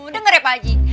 dengar ya pak haji